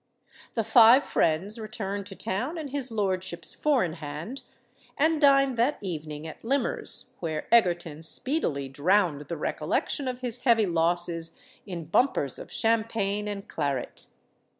The five friends returned to town in his lordship's four in hand, and dined that evening at Limmer's, where Egerton speedily drowned the recollection of his heavy losses in bumpers of champagne and claret.